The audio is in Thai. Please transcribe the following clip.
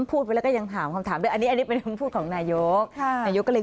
พูดไปแล้วยังถามคำถามนี่หนึ่งพูดของนายก